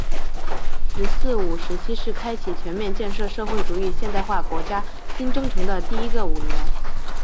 “十四五”时期是开启全面建设社会主义现代化国家新征程的第一个五年。